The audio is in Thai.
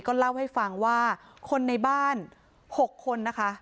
เล่าให้ฟังว่าคนในบ้าน๖คนนะคะ